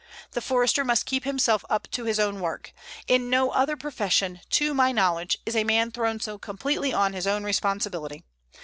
The Forester must keep himself up to his own work. In no other profession, to my knowledge, is a man thrown so completely on his own responsibility.